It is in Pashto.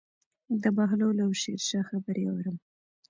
د بهلول او شیرشاه خبرې اورم.